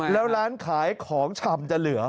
แล้วร้านขายของชำจะเหลือ